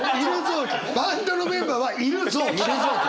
バンドのメンバーはいる臓器！